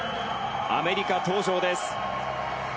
アメリカ登場です。